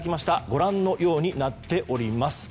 ご覧のようになっています。